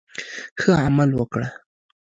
ښه عمل وکړه.